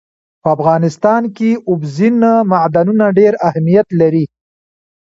په افغانستان کې اوبزین معدنونه ډېر اهمیت لري.